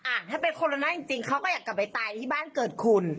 ถ้าเป็นโคโรนาจริงเขาก็อยากกลับไปตายที่บ้านเกิดคุณ